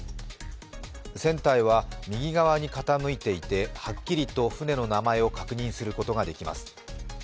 船体は右側に傾いていてはっきりと、船の名前を確認することができます。